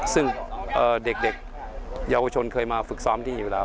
ซึ่งเด็กเยาวชนเคยมาฝึกซ้อมที่อยู่แล้ว